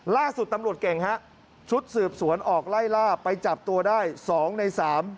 ล่าสุดตำรวจเก่งฮะชุดสืบสวนออกไล่ล่าไปจับตัวได้สองในสาม